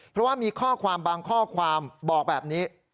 เพราะว่ามีข้อความบางข้อความบอกแบบนี้